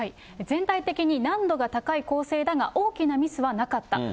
全体的に難度が高い構成だが、大きなミスはなかった。